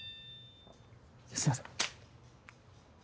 すいません。